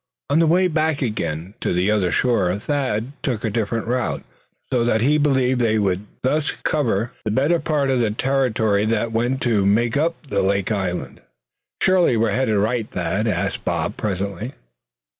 On the way back again to the other shore Thad took a different route, so that he believed they would thus cover the better part of the territory that went to make up the lake island. "Sure we're heading right, Thad?" asked Bob, presently.